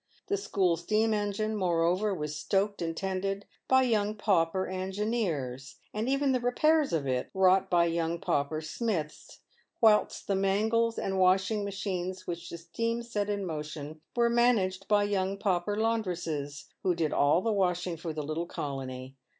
The school steam engine, moreover, was stoked and tended by young pauper engineers, and even the repairs of it wrought by young pauper smiths, whilst the mangles and washing machines which the steam set in motion were managed by young, pauper laundresses, who did all the washing for the little colony.